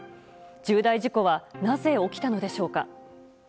重大事故はなぜ起きたのでしょうか。